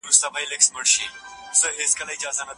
پوهان وايي چي د خلکو اخلاقي معیار د څېړنې پر کیفیت اغېز کوي.